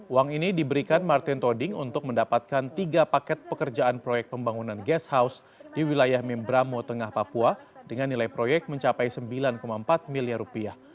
uang ini diberikan martin toding untuk mendapatkan tiga paket pekerjaan proyek pembangunan gas house di wilayah membramo tengah papua dengan nilai proyek mencapai sembilan empat miliar rupiah